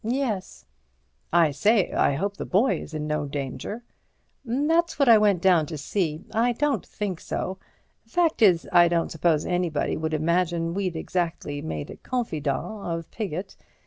"Yes." "I say—I hope the boy is in no danger." "That's what I went down to see. I don't think so. Fact is, I don't suppose anybody would imagine we'd exactly made a confidant of Piggott.